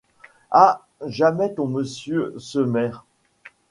Ah ! jamais ton monsieur Sumer…